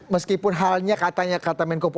meskipun halnya katanya